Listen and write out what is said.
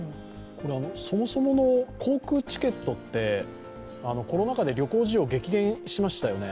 そもそもの航空チケットって、コロナ禍で旅行需要が激減しましたよね。